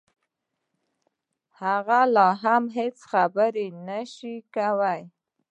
هغه لا هم هېڅ خبرې نشوای کولای